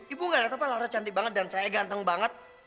ibu gak lihat apa larut cantik banget dan saya ganteng banget